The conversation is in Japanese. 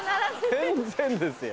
全然ですよ。